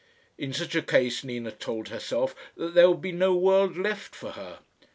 In such a case Nina told herself that there would be no world left for her.